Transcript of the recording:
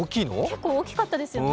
結構大きかったですね。